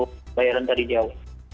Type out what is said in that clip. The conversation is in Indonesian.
terus kita masuk bayaran tadi jauh